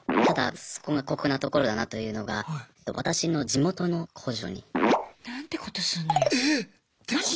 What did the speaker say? ただそこが酷なところだなというのが私の地元の工場に。なんてことすんのよ！